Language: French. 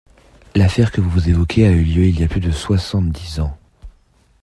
L’affaire que vous évoquez a eu lieu il y a plus de soixante-dix ans.